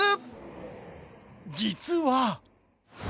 実は。